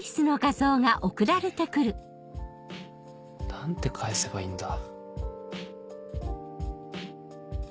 何て返せばいいんだ？